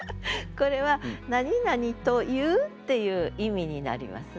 これは「なになにという」っていう意味になりますね。